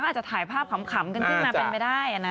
อาจจะถ่ายภาพขำกันขึ้นมาเป็นไปได้นะ